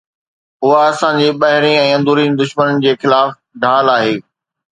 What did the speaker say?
اها اسان جي ٻاهرين ۽ اندروني دشمنن جي خلاف ڍال آهي.